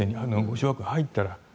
小学校に入ったら。